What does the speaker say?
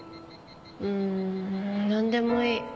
うんなんでもいい。